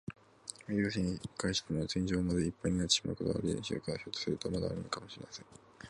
水が地下室の天井までいっぱいになってしまうようなことはないでしょうか。ひょっとすると、まにあわないかもしれません。